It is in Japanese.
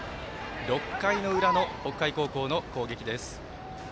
６回の裏の北海高校の攻撃です。